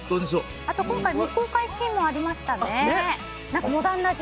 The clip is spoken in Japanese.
今回未公開シーンもありましたね。